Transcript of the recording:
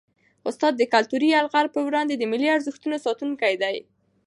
استاد د کلتوري یرغل په وړاندې د ملي ارزښتونو ساتونکی دی.